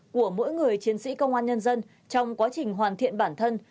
của mỗi người chiến sĩ công an nhân dân trong quá trình hoàn thiện bản thân